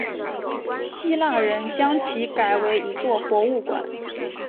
希腊人将其改为一座博物馆。